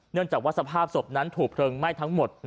เนื่องจากว่าสภาพศพนั้นถูกเพลิงไหม้ทั้งหมด